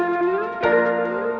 ibu tidak mereka hal itu